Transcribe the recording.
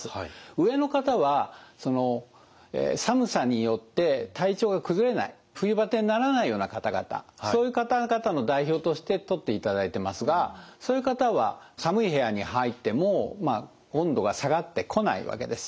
上の方は寒さによって体調が崩れない冬バテにならないような方々そういう方々の代表としてとっていただいてますがそういう方は寒い部屋に入っても温度が下がってこないわけです。